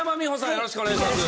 よろしくお願いします。